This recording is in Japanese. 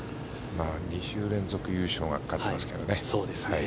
２週連続優勝がかかっていますからね。